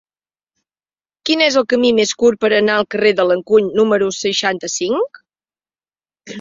Quin és el camí més curt per anar al carrer de l'Encuny número seixanta-cinc?